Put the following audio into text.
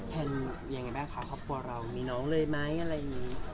แนนยังไงบ้างคะครอบครัวเรามีน้องเลยไหมอะไรอย่างนี้